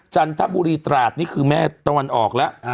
จันทบุรีตราดนี่คือแม่ตะวันออกแล้ว